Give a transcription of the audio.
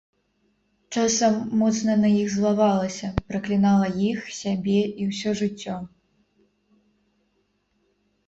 Часам моцна на іх злавалася, праклінала іх, сябе, і ўсё жыццё.